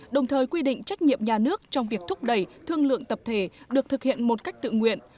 đồng thời quy định trách nhiệm nhà nước trong việc thúc đẩy thương lượng tập thể được thực hiện một cách tự nguyện